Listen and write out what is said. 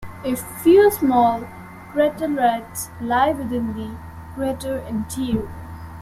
A few small craterlets lie within the crater interior.